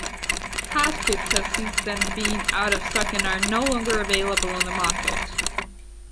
Caskets have since then been out of stock and are no longer available on the market.